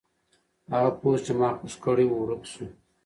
هغه پوسټ چې ما خوښ کړی و ورک شو.